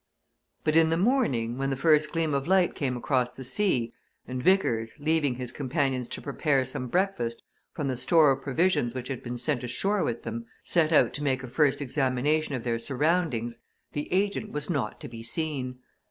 But in the morning, when the first gleam of light came across the sea, and Vickers, leaving his companions to prepare some breakfast from the store of provisions which had been sent ashore with them, set out to make a first examination of their surroundings, the agent was not to be seen.